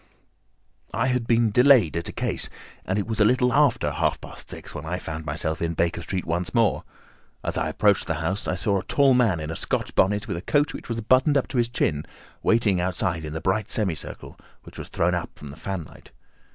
I had been delayed at a case, and it was a little after half past six when I found myself in Baker Street once more. As I approached the house I saw a tall man in a Scotch bonnet with a coat which was buttoned up to his chin waiting outside in the bright semicircle which was thrown from the fanlight.